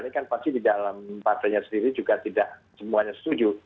ini kan pasti di dalam partainya sendiri juga tidak semuanya setuju